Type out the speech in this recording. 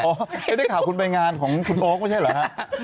จะได้ข่าวคุณไปงานของคุณโอ๊คไม่ใช่เหรอฮะ